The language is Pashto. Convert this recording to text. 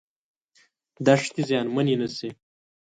دښتې زیانمنې نشي.